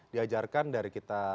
diajarkan dari kita